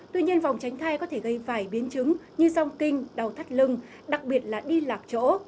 tuy nhiên vòng tránh thai có thể gây phải biến chứng như dòng kinh đau thắt lưng đặc biệt là đi lạc chỗ